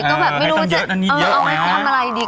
ก็แบบไม่รู้ว่าจะเอาไปทำอะไรดี